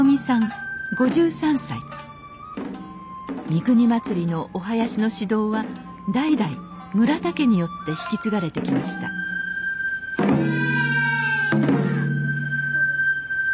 三国祭のお囃子の指導は代々村田家によって引き継がれてきましたえいや！